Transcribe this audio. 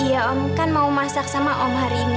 iya om kan mau masak sama om hari ini